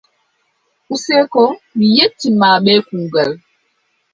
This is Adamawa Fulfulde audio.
Useko mi yetti ma bee kuugal.